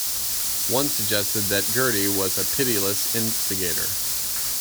One suggested that Girty was a pitiless instigator.